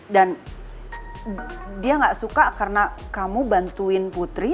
dan dia gak suka karena kamu bantuin putri